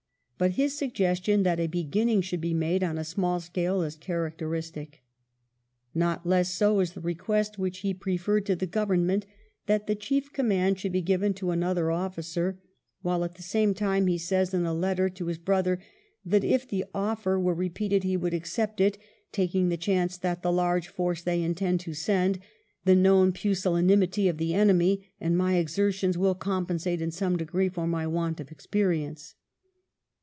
But his suggestion that a beginning should be made on a small scale is characteristic. Not less so is the request which he preferred to the govern ment that the chief command should be given to another ofiicer, while at the same time he says in a letter to his brother that if the offer were repeated he would accept it, " taking the chance that the large force they intend to send, the known pusillanimity of the enemy, and my exertions, will compensate in some degree for my want of experience."